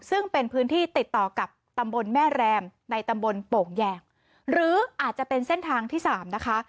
ซึ่งเป็นพื้นที่ติดต่อกับตำบลแม่แรมในตำบลโป่งแยงหรืออาจจะเป็นเส้นทางที่สามนะคะ